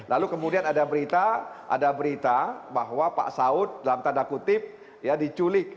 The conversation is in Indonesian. lalu kemudian ada berita ada berita bahwa pak saud dalam tanda kutip ya diculik